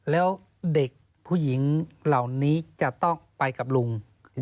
แล้วเด็กผู้หญิงเหล่านี้จะต้องไปกับลุง